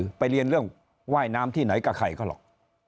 คือไปเรียนเรื่องว่ายน้ำที่ไหนกับใครเขาหรอก